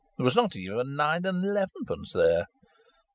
There was not even nine and elevenpence there.